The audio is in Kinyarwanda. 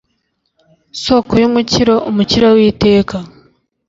soko y'umukiro, umukiro w'iteka